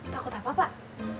takut apa pak